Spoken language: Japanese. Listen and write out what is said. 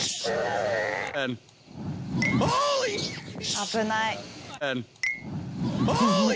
危ない。